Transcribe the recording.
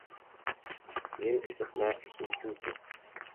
jen estas la surtuto!